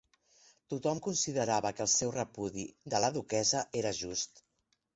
Tothom considerava que el seu repudi de la duquessa era just.